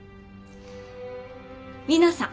皆さん。